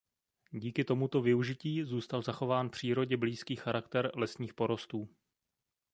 Díky tomuto využití zůstal zachován přírodě blízký charakter lesních porostů.